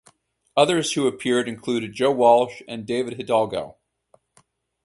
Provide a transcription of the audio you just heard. Others who appeared included Joe Walsh and David Hidalgo.